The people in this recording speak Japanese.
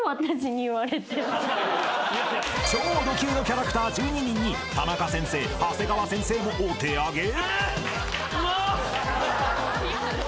超ド級のキャラクター１２人にタナカ先生、ハセガワ先生もお手上げ？